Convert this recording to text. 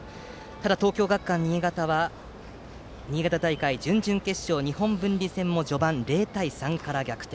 ただ、東京学館新潟は新潟大会準々決勝の日本文理戦も序盤０対３から逆転。